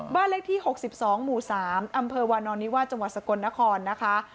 บ้านเลขที่๖๒หมู่๓อำเภอวานอนิวาสจังหวัดสกลนครนะคะ